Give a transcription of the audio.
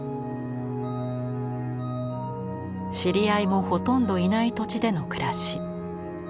知り合いもほとんどいない土地での暮らし。